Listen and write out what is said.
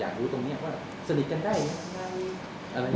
รู้ตรงนี้ว่าสนิทกันได้ไหม